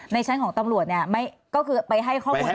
ในชั้นของตำรวจก็คือไปให้ครอบครัวให้หมด